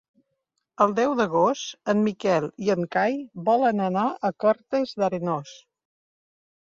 El deu d'agost en Miquel i en Cai volen anar a Cortes d'Arenós.